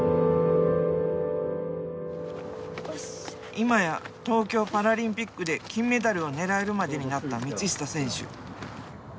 今や東京パラリンピックで金メダルを狙えるまでになった道下選手。